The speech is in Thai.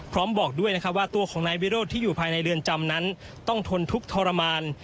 บอกด้วยนะครับว่าตัวของนายวิโรธที่อยู่ภายในเรือนจำนั้นต้องทนทุกข์ทรมาน